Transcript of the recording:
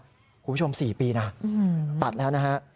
คุณผู้ชม๔ปีนะตัดแล้วนะฮะ